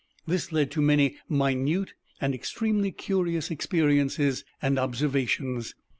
This led to many minute and extremely curious experiences and observations.